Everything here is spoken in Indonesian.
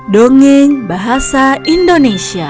dongeng bahasa indonesia